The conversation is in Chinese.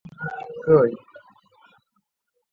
凌霄岩摩崖石刻的历史年代为民国。